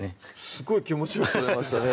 すごい気持ちよく取れましたね